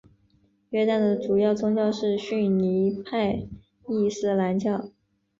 约旦的主要宗教是逊尼派伊斯兰教。